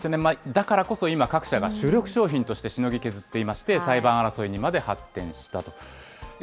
だからこそ今、各社が主力商品としてしのぎ削っていまして、裁判争いにまで発展したと。